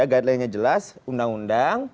guide line nya jelas undang undang